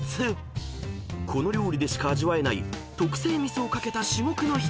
［この料理でしか味わえない特製味噌を掛けた至極の一品］